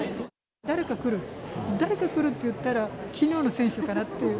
誰か来る、誰か来るっていったら、きのうの選手かなっていう。